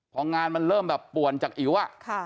พองานมันเริ่มแบบป่วนจากอิ๋ว